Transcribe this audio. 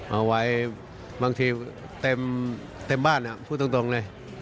เอาไว้บางทีเต็มบ้านพูดตรงเลย